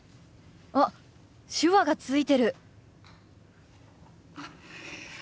あっ手話がついてる！